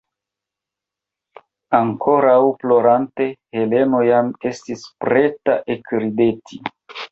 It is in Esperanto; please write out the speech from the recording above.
Ankoraŭ plorante, Heleno jam estis preta ekrideti.